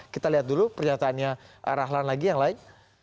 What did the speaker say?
kita lihat dulu pernyataannya rahlan lagi yang lain